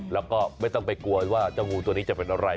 แล้วก็ไม่ต้องไปกลัวว่าเจ้างูตัวนี้จะเป็นอะไร